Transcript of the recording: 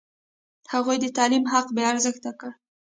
هغوی د تعلیم حق بې ارزښته کړ.